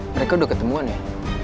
mereka udah ketemuan ya